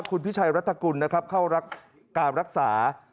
คุณพิชัยรัฐกุลเข้าการรักษา